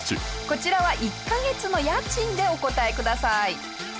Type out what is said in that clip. こちらは１カ月の家賃でお答えください。